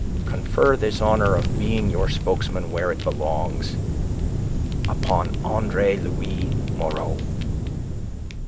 Confer this honour of being your spokesman where it belongs upon Andre Louis Moreau."